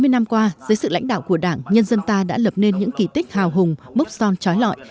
chín mươi năm qua dưới sự lãnh đạo của đảng nhân dân ta đã lập nên những kỳ tích hào hùng mốc son trói lọi